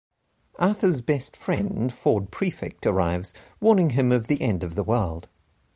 Arthur's best friend, Ford Prefect, arrives, warning him of the end of the world.